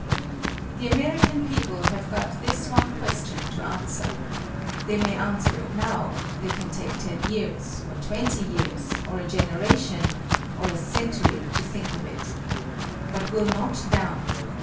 The American people have got this one question to answer. They may answer it now; they can take ten years, or twenty years, or a generation, or a century to think of it. But will not down.